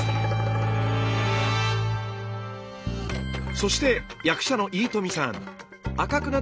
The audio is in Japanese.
そして役者の飯富さん。